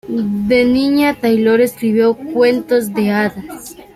De niña, Taylor escribió cuentos de hadas.